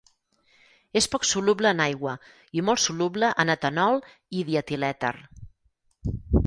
És poc soluble en aigua i molt soluble en etanol i dietilèter.